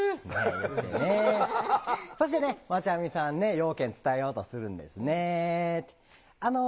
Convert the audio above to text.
そしてねまちゃみさんね用件伝えようとするんですね。